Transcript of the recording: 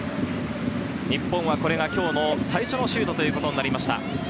日本はこれが今日最初のシュートとなりました。